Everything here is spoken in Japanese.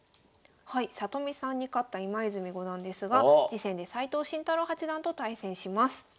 里見さんに勝った今泉五段ですが次戦で斎藤慎太郎八段と対戦します。